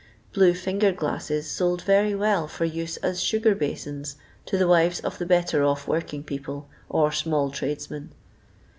Blue finger ghisses sold yery well for use as sugar basins to the wives of the better off working people or small tradesmen.